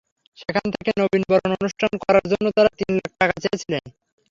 সেখান থেকে নবীনবরণ অনুষ্ঠান করার জন্য তাঁরা তিন লাখ টাকা চেয়েছিলেন।